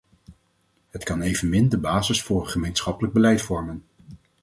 Het kan evenmin de basis voor een gemeenschappelijk beleid vormen.